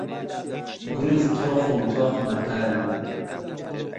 گورز تۆق و تۆق مەتال